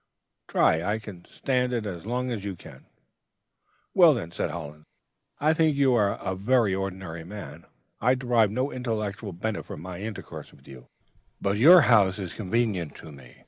Try! I can stand it as long as you can.' "'Well, then,' said Hollins, 'I think you are a very ordinary man. I derive no intellectual benefit from my intercourse with you, but your house is convenient to me.